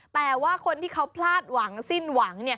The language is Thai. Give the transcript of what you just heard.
แต่ว่าคนที่เขาพลาดหวังสิ้นหวัง